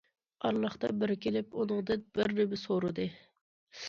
ئارىلىقتا بىرى كېلىپ ئۇنىڭدىن بىر نېمە سورىدى.